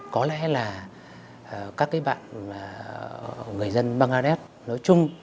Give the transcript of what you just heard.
có lẽ là các cái bạn người dân bangladesh nói chung